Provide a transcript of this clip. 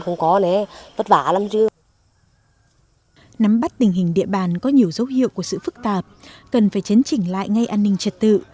nắm bắt tình hình địa bàn có nhiều dấu hiệu của sự phức tạp cần phải chấn chỉnh lại ngay an ninh trật tự